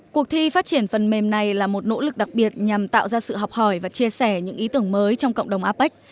cuộc thi phát triển phần mềm này là một nỗ lực đặc biệt nhằm tạo ra sự học hỏi và chia sẻ những ý tưởng mới trong cộng đồng apec